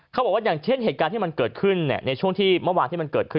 เขาบอกว่าอย่างเช่นเหตุการณ์ที่มันเกิดขึ้นในช่วงที่เมื่อวานที่มันเกิดขึ้น